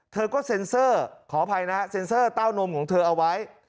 เธอก็เซ็นเซอร์ขออภัยนะฮะเซ็นเซอร์เต้านมของเธอเอาไว้